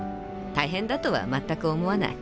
大変だとはまったく思わない。